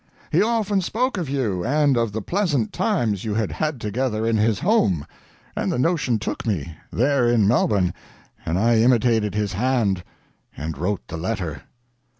He often spoke of you, and of the pleasant times you had had together in his home; and the notion took me, there in Melbourne, and I imitated his hand, and wrote the letter."